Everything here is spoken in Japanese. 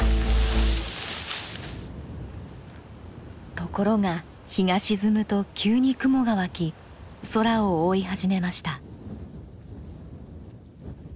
ところが日が沈むと急に雲が湧き空を覆い始めました。